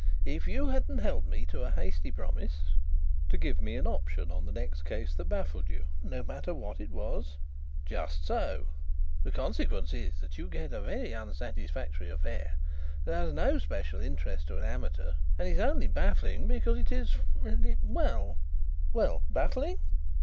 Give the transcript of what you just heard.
"If you hadn't held me to a hasty promise " "To give me an option on the next case that baffled you, no matter what it was " "Just so. The consequence is that you get a very unsatisfactory affair that has no special interest to an amateur and is only baffling because it is well " "Well, baffling?"